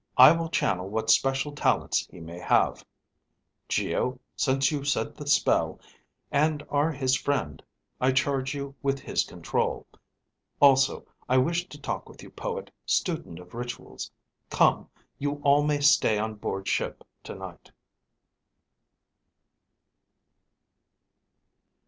I will channel what special talents he may have. Geo, since you said the spell, and are his friend, I charge you with his control. Also, I wish to talk with you, poet, student of rituals. Come, you all may stay on board ship tonight."